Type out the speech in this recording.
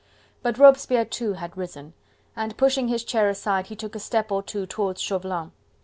But Robespierre too had risen, and pushing his chair aside he took a step or two towards Chauvelin.